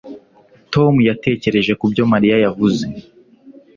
Tom yatekereje kubyo Mariya yavuze